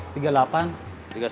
nomor sepatu emak